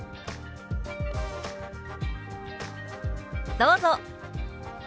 どうぞ！